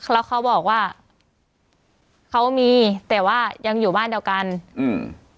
แล้วเขาบอกว่าเขามีแต่ว่ายังอยู่บ้านเดียวกันอืม